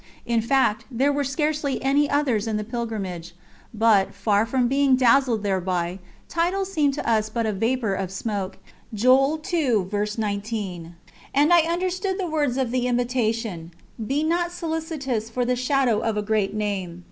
In fact, there were scarcely any others in the pilgrimage; but, far from being dazzled thereby, titles seemed to us but a "vapour of smoke," and I understood the words of the Imitation: "Be not solicitous for the shadow of a great name."